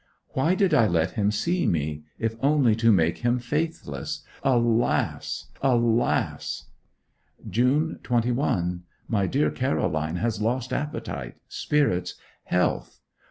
Why did I let him see me, if only to make him faithless. Alas, alas! June 21 . My dear Caroline has lost appetite, spirits, health.